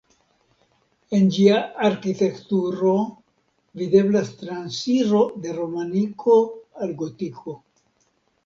En ĝia arkitekturo videblas transiro de romaniko al gotiko.